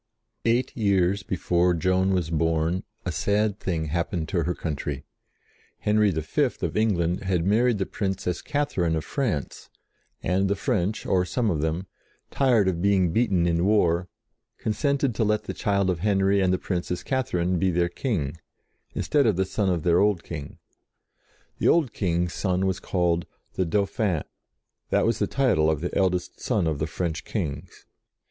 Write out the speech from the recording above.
Eight years before Joan was born a sad thing happened to her country. Henry V. of England had married the Princess Katherine of France, and the French, or some of them, tired of being beaten in war, consented to let the child of Henry and the Princess Katherine be their King, instead of the son of their old King. The old King's son was called "the Dauphin"; that was the title of the eldest son of the French kings.